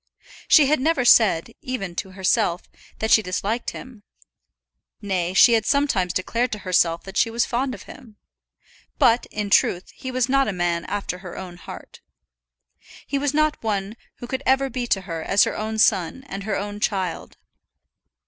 She had never said, even to herself, that she disliked him; nay, she had sometimes declared to herself that she was fond of him. But, in truth, he was not a man after her own heart. He was not one who could ever be to her as her own son and her own child.